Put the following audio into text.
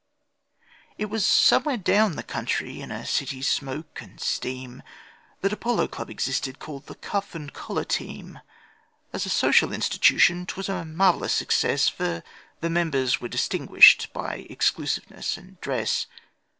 It was somewhere down the country, in a city's smoke and steam, That a polo club existed, called 'The Cuff and Collar Team'. As a social institution 'twas a marvellous success, For the members were distinguished by exclusiveness and dress.